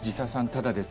ただですね